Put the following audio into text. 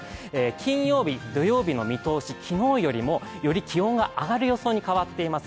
金曜日、土曜日の見通し、昨日よりもより気温が上がる予想になっています